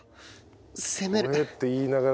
攻める。